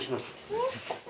えっ？